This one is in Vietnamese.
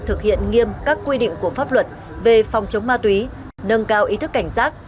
thực hiện nghiêm các quy định của pháp luật về phòng chống ma túy nâng cao ý thức cảnh giác